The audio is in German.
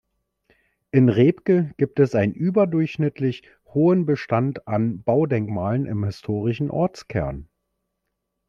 In Räbke gibt einen überdurchschnittlich hohen Bestand an Baudenkmalen im historischen Ortskern.